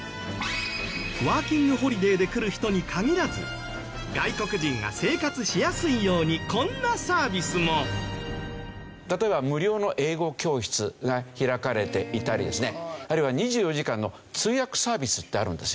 ワーキング・ホリデーで来る人に限らず外国人が生活しやすいようにこんなサービスも。例えば無料の英語教室が開かれていたりですねあるいは２４時間の通訳サービスってあるんですよ。